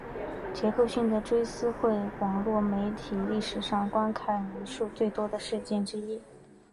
杰克逊的追思会是网路媒体历史上观看人数最多的事件之一。